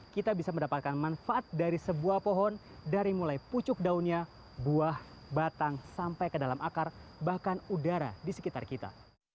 kita bisa mendapatkan manfaat dari sebuah pohon dari mulai pucuk daunnya buah batang sampai ke dalam akar bahkan udara di sekitar kita